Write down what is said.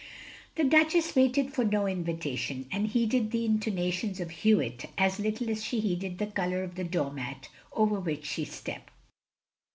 The Duchess waited for no invitation, and heeded the intonations of Hewitt as little as she heeded the colour of the doormat over which she stepped.